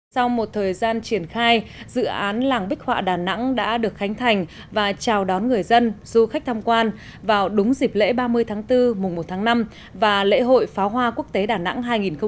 sau một thời gian triển khai dự án làng bích họa đà nẵng đã được khánh thành và chào đón người dân du khách tham quan vào đúng dịp lễ ba mươi tháng bốn mùng một tháng năm và lễ hội pháo hoa quốc tế đà nẵng hai nghìn hai mươi bốn